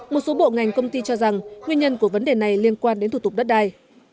một số bộ ngành công ty cho rằng nguyên nhân của vấn đề này liên quan đến thủ tục đất đai